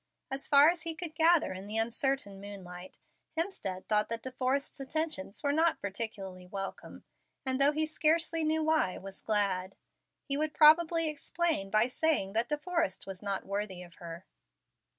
As far as he could gather in the uncertain moonlight, Hemstead thought that De Forrest's attentions were not particularly welcome, and, though he scarcely knew why, was glad. He would probably explain by saying that De Forrest was not worthy of her.